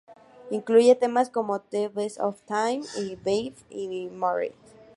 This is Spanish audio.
Incluye temas como "The Best of Times", "Babe" y "Mr.